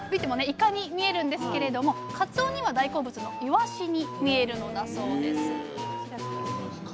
イカに見えるんですけれどもかつおには大好物のいわしに見えるのだそうです